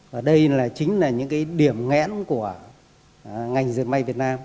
và đây chính là những điểm nghẽn của ngành dân may việt nam